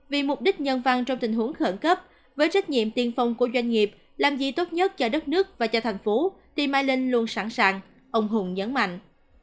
vì mục đích nhân văn trong tình huống khẩn cấp với trách nhiệm tiên phong của doanh nghiệp làm gì tốt nhất cho đất nước và cho thành phố thì mai linh luôn sẵn sàng ông hùng nhấn mạnh